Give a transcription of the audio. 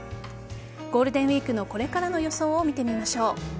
ゴールデンウイークのこれからの予想を見てみましょう。